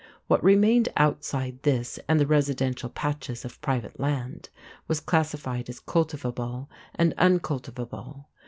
What remained outside this and the residential patches of private land was classified as cultivable and uncultivable.